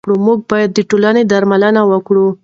موږ باید د ټولنې درملنه وکړو.